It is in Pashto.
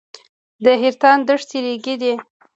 د حیرتان دښتې ریګي دي